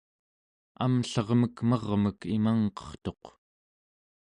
amllermek mermek imangqertuq